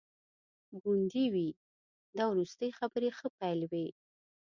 ګوندي وي دا وروستي خبري ښه پیل وي.